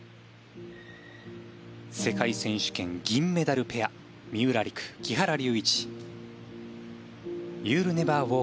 世界選手権銀メダルペア三浦璃来、木原龍一。